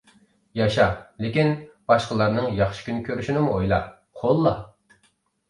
ياشا، لېكىن باشقىلارنىڭ ياخشى كۈن كۆرۈشىنىمۇ ئويلا، قوللا.